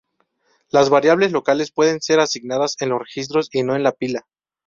Las variables locales pueden ser asignadas en los registros y no en la pila.